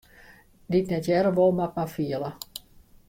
Dy't net hearre wol, moat mar fiele.